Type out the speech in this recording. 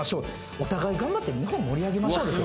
「お互い頑張って日本盛り上げましょう！」ですよ。